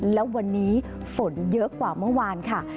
แล้ววันนี้ฝนเยอะกว่าเมื่อวานค่ะ